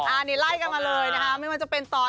อันนี้ไล่กันมาเลยนะคะไม่ว่าจะเป็นตอน